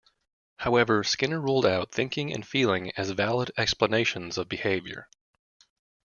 However, Skinner ruled out thinking and feeling as valid "explanations" of behavior.